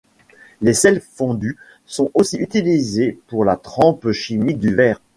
Les sels fondus sont aussi utilisés pour la trempe chimique du verre.